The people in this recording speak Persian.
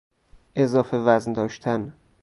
اضافه وزن داشتن